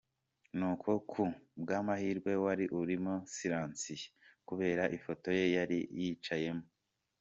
Nuko ku bw'amahirwe wari urimo silencieux kubera ifoteye yari yicayemo.